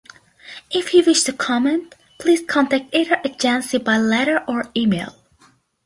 If you wish to comment, please contact either agency by letter or email.